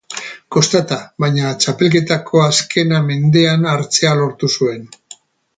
Kostata, baina txapelketako azkena mendean hartzea lortu zuen.